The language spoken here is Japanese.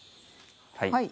はい。